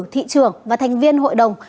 thị trường và thành viên hội đồng